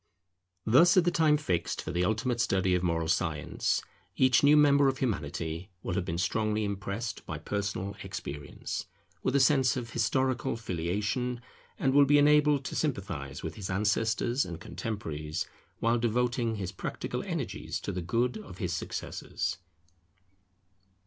Thus at the time fixed for the ultimate study of moral science, each new member of Humanity will have been strongly impressed by personal experience, with a sense of historical Filiation, and will be enabled to sympathize with his ancestors and contemporaries, while devoting his practical energies to the good of his successors.